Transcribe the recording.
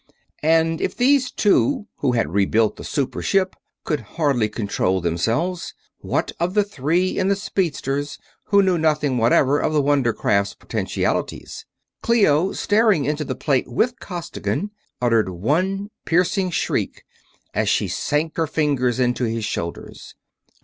And if these two, who had rebuilt the super ship, could hardly control themselves, what of the three in the speedster, who knew nothing whatever of the wonder craft's potentialities? Clio, staring into the plate with Costigan, uttered one piercing shriek as she sank her fingers into his shoulders.